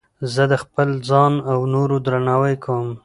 زه د خپل ځان او نورو درناوی کوم.